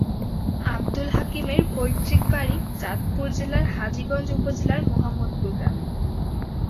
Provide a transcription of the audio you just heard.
আবদুল হাকিমের পৈতৃক বাড়ি চাঁদপুর জেলার হাজীগঞ্জ উপজেলার মোহাম্মদপুর গ্রামে।